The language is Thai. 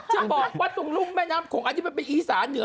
จะบอกว่าตรงรุ่มแม่น้ำโขงอันนี้มันเป็นอีสานเหนือ